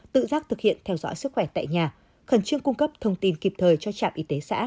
tự giác thực hiện theo dõi sức khỏe tại nhà khẩn trương cung cấp thông tin kịp thời cho trạm y tế xã